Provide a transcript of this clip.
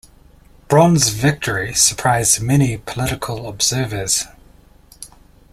Broun's victory surprised many political observers.